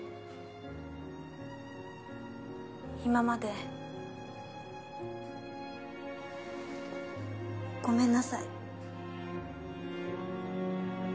今までごめんなさい。